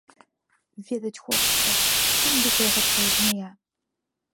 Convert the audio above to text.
Ведаць хочацца, чым дыхае гэткая змяя.